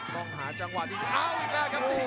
ต้องหาจังหวะดีเอาอีกแล้วครับ